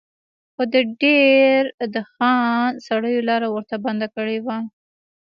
خو د دیر د خان سړیو لاره ورته بنده کړې وه.